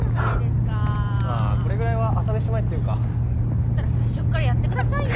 だったら最初っからやって下さいよ